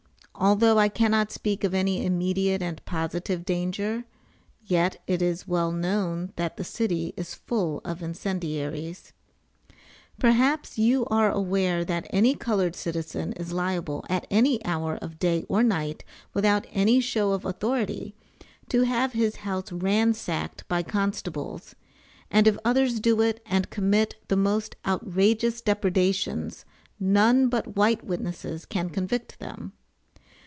Although I cannot speak of any immediate and positive danger. [Yet it is well known that the city is full of incendiaries.] Perhaps you are aware that any colored citizen is liable at any hour of day or night without any show of authority to have his house ransacked by constables, and if others do it and commit the most outrageous depredations none but white witnesses can convict them.